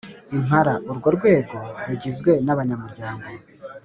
impala Urwo rwego rugizwe n abanyamuryango